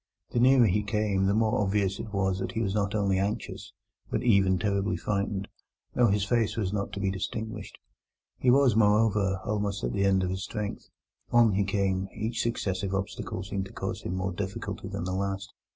The nearer he came the more obvious it was that he was not only anxious, but even terribly frightened, though his face was not to be distinguished. He was, moreover, almost at the end of his strength. On he came; each successive obstacle seemed to cause him more difficulty than the last.